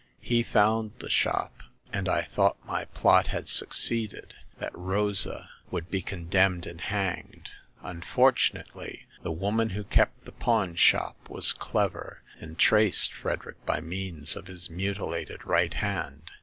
He found the shop, and I thought my plot had succeeded : that Rosa would be con demned and hanged. Unfortunately, the woman who kept the pawn shop was clever, and traced Frederick by means of his mutilated right hand.